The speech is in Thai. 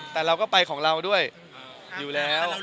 แต่เราก็ไปของเราด้วยอยู่แล้ว